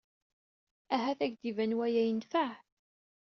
Ahat ad ak-d-iban waya yenfeɛ.